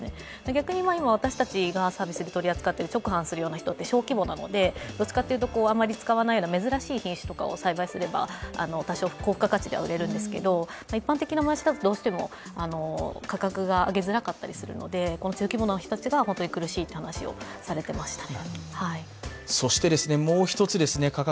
逆に今、私たちが取り扱っている直販するような人って小規模なので、どっちかというとあまり使わないような珍しい品種とかを栽培すれば、多少高付加価値で売れるんですけども一般的なもやしだと、どうしても価格が上げづらかったりするので中規模の人たちが本当に苦しいという話をされていました。